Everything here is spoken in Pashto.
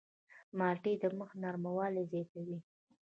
مالټې د مخ نرموالی زیاتوي.